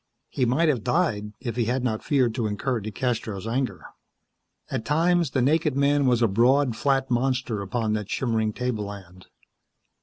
He might have died, if he had not feared to incur DeCastros' anger. At times the naked man was a broad, flat monster upon that shimmering tableland.